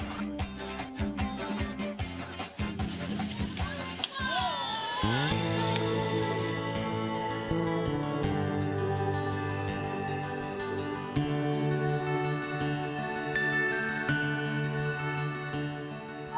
ปัญหาที่นี่ครับ